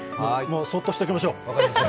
そっとしておきましょう。